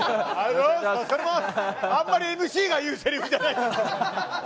あんまりＭＣが言うセリフじゃない。